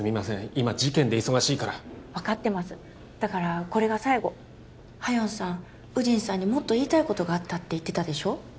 今事件で忙しいから分かってますだからこれが最後夏英さん祐鎮さんにもっと言いたいことがあったって言ってたでしょ？